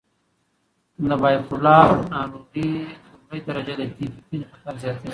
د بایپولار ناروغۍ لومړۍ درجه د پي پي پي خطر زیاتوي.